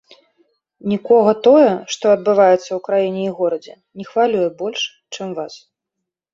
Нікога тое, што адбываецца ў краіне і горадзе, не хвалюе больш, чым вас.